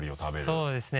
そうですね